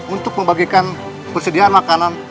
untuk membagikan persediaan makanan